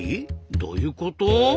どういうこと？